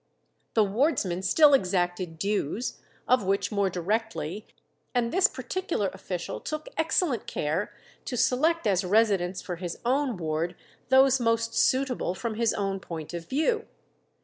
The wardsman still exacted dues, of which more directly, and this particular official took excellent care to select as residents for his own ward those most suitable from his own point of view.